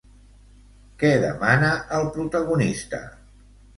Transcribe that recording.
Què demana el protagonista?